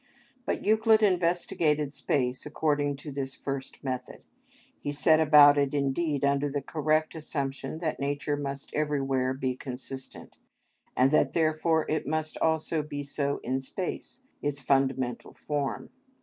But Euclid investigated space according to this first method. He set about it, indeed, under the correct assumption that nature must everywhere be consistent, and that therefore it must also be so in space, its fundamental form.